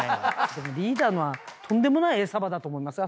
でもリーダーのはとんでもない餌場だと思いますよ。